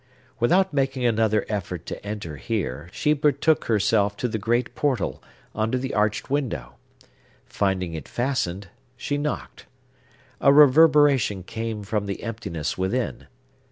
Without making another effort to enter here, she betook herself to the great portal, under the arched window. Finding it fastened, she knocked. A reverberation came from the emptiness within.